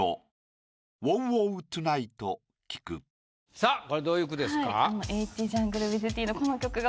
さぁこれどういう句ですか？